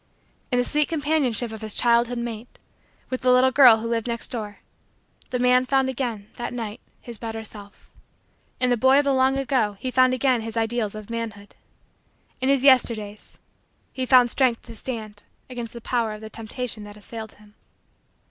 In the sweet companionship of his childhood mate, with the little girl who lived next door, the man found again, that night, his better self. In the boy of the long ago, he found again his ideals of manhood. In his Yesterdays, he found strength to stand against the power of the temptation that assailed him.